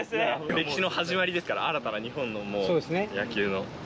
歴史の始まりですから、新たな日本の野球の。